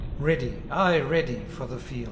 " Ready, aye ready," for the field.